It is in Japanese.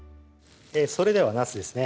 それではなすですね